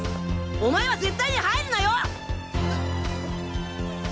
お前は絶対に入るなよ！